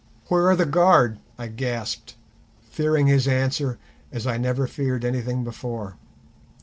"Where are the guard?" I gasped, fearing his answer as I never feared anything before.